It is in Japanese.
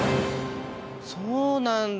そうなんだ。